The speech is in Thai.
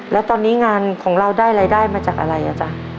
แล้วตอนนี้งานของเราได้รายได้มาจากอะไรอ่ะจ๊ะ